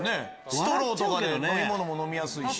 ストローとかで飲み物も飲みやすいし。